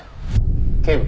警部